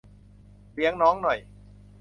เลี้ยงน้องหน่อย